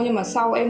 nhưng mà sau em